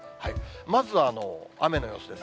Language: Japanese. まずは雨の様子です。